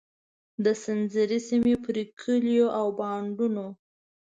د سنځري سیمې پر کلیو او بانډونو.